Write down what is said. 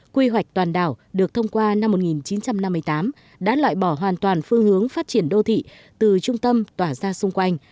quy hoạch toàn đảo được thông qua năm một nghìn chín trăm năm mươi tám đã loại bỏ hoàn toàn phương hướng phát triển đô thị từ trung tâm tỏa ra xung quanh